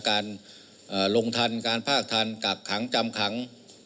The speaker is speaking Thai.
การลงทันการภาคทันกักขังจำขัง